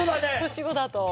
年子だと。